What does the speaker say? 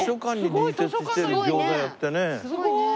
すごいねえ。